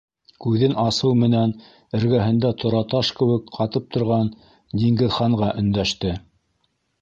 Күҙен асыу менән эргәһендә тораташ кеүек ҡатып торған Диңгеҙханға өндәште: